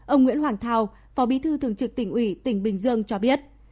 ông nguyễn hoàng thao phó bí thư thường trực tỉnh ủy tỉnh bình dương cho biết